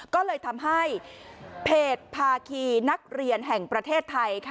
ก็เลยทำให้เพจภาคีนักเรียนแห่งประเทศไทย